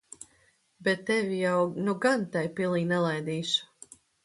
Bet tevi jau nu gan tai pilī nelaidīšu.